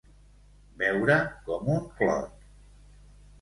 Beure com un clot.